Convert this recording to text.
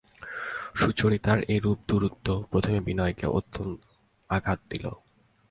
সুচরিতার এইরূপ দূরত্ব প্রথমে বিনয়কে অত্যন্ত আঘাত দিল।